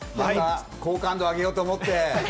好感度上げようと思って。